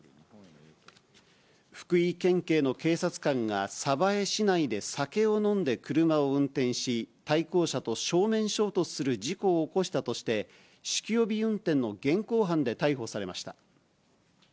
福井県警の警察官が、鯖江市内で酒を飲んで車を運転し、対向車と正面衝突する事故を起こしたとして、酒気帯び運転の現行犯で逮捕されました。